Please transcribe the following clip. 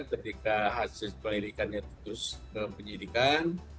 ketika hasil penyelidikannya terus ke penyidikan